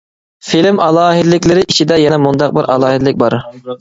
فىلىم ئالاھىدىلىكلىرى ئىچىدە يەنە مۇنداق بىر ئالاھىدىلىك بار.